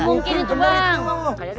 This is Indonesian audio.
besok lebih baik